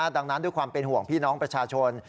ดังนั้นด้วยความเป็นห่วงพี่น้องประชาชน